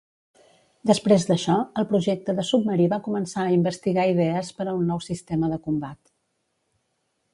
Després d'això, el projecte de submarí va començar a investigar idees per a un nou sistema de combat.